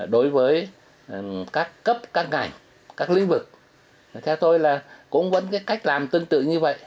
đối với các cấp các ngành các lĩnh vực theo tôi là cũng vẫn cái cách làm tương tự như vậy